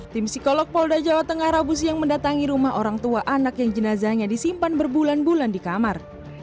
tim psikolog polda jawa tengah rabu siang mendatangi rumah orang tua anak yang jenazahnya disimpan berbulan bulan di kamar